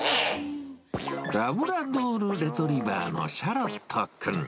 ラブラドール・レトリバーのシャロットくん。